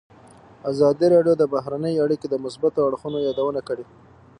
ازادي راډیو د بهرنۍ اړیکې د مثبتو اړخونو یادونه کړې.